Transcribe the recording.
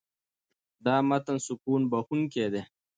دا متن سکون بښونکی دی.